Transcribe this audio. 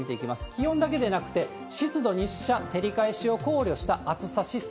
気温だけでなくて、湿度、日射、照り返しを考慮した暑さ指数。